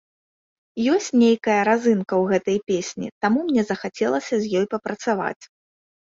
Ёсць нейкая разынка ў гэтай песні, таму мне захацелася з ёй папрацаваць.